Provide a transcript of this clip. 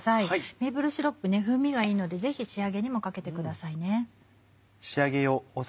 メープルシロップ風味がいいのでぜひ仕上げにもかけてください。